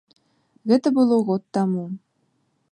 Гэта было год таму.